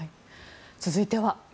続いては。